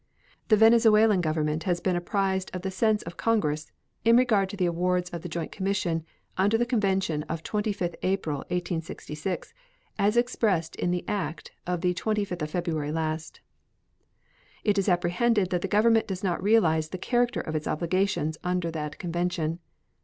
The Venezuelan Government has been apprised of the sense of Congress in regard to the awards of the joint commission under the convention of 25th April, 1866, as expressed in the act of the 25th of February last. It is apprehended that that Government does not realize the character of its obligations under that convention.